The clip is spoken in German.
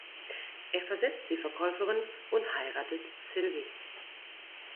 Er versetzt die Verkäuferin und heiratet Sylvie.